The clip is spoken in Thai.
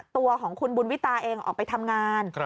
ตัวของคุณบุญวิตาเองออกไปทำงาน